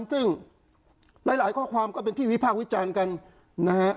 ซึ่งหลายข้อความก็เป็นที่วิพากษ์วิจารณ์กันนะฮะ